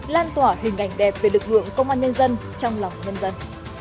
lan tỏa hình ảnh đẹp về lực lượng công an nhân dân trong lòng nhân dân